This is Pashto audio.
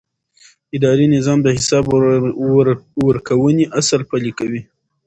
اداري نظام د حساب ورکونې اصل پلي کوي.